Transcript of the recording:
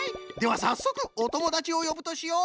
さっそくおともだちをよぶとしよう。